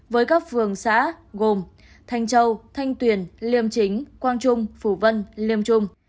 với các phường xã gồm thanh châu thanh tuyền liêm chính quang trung phủ vân liêm trung